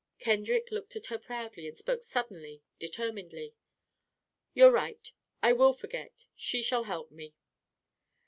Kendrick looked at her proudly, and spoke suddenly, determinedly: "You're right, I will forget. She shall help me."